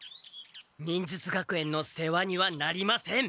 忍術学園の世話にはなりません！